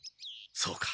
そうか。